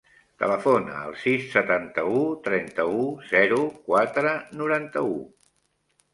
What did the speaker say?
Telefona al sis, setanta-u, trenta-u, zero, quatre, noranta-u.